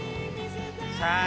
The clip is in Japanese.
さあ